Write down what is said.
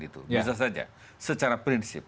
itu bisa saja secara prinsip